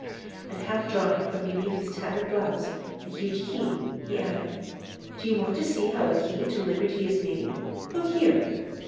And half drawing from beneath his tattered blouse a huge key, he added: "Do you want to see how a key to liberty is made? Look here."